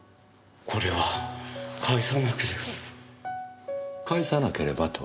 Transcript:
これは返さなければ。